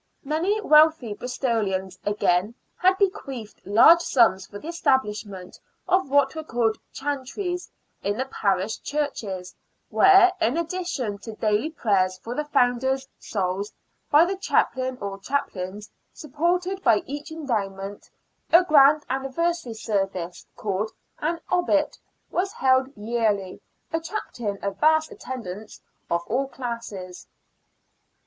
Many wealthy Bristolians, again, had bequeathed large sums for the establishment of what were called chantries in the parish churches, where, in addition to daily prayers for the founders' souls by the chaplain or chaplains supported by each endowment, a grand anniversary service, called an Obit, was held yearly, attracting a vast attendance of all classes.